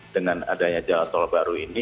dengan adanya jalan tol baru ini